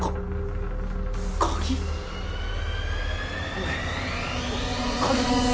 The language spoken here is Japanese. おい鍵